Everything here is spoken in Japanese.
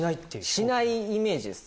しないイメージです。